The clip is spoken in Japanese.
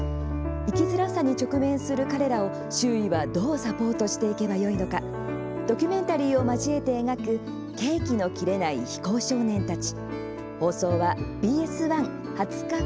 生きづらさに直面する彼らを周囲はどうサポートしていけばよいのかドキュメンタリーを交えて描く「ケーキの切れない非行少年たち」。